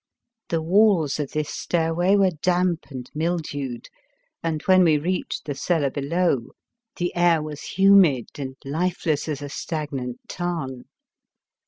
The walls of this stairway were damp and mildewed, and when we reached the cellar below the air was 35 The Fearsome Island humid and lifeless as a stagnant tarn.